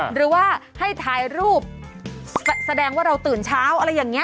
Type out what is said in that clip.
หรือว่าให้ถ่ายรูปแสดงว่าเราตื่นเช้าอะไรอย่างนี้